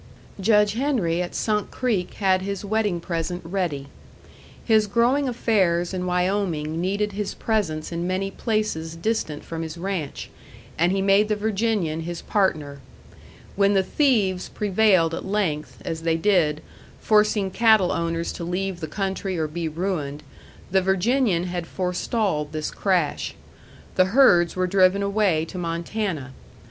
Judge Henry at Sunk Creek had his wedding present ready. His growing affairs in Wyoming needed his presence in many places distant from his ranch, and he made the Virginian his partner. When the thieves prevailed at length, as they did, forcing cattle owners to leave the country or be ruined, the Virginian had forestalled this crash. The herds were driven away to Montana.